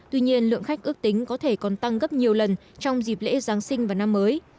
tuy nhiên lượng khách ước tính có thể còn tăng gấp nhiều lần trong dịp lễ giáng sinh và năm mới